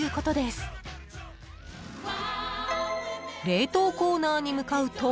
［冷凍コーナーに向かうと